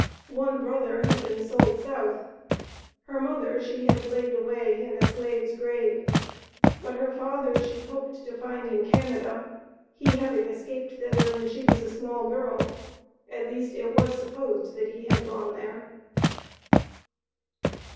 One brother had been sold South. Her mother she had laid away in a slave's grave: but her father she hoped to find in Canada, he having escaped thither when she was a small girl; at least it was supposed that he had gone there.